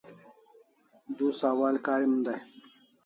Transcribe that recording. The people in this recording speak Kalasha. Du sawal karim dai